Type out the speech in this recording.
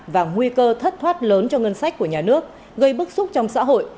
và nguy cơ thất thoát lớn cho ngân sách của nhà nước gây bức xúc trong xã hội